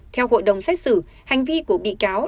theo hội đồng xét xử hành vi của bị cáo